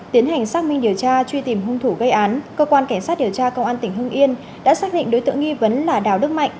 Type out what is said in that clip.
tiến hành xác minh điều tra truy tìm hung thủ gây án cơ quan cảnh sát điều tra công an tỉnh hưng yên đã xác định đối tượng nghi vấn là đào đức mạnh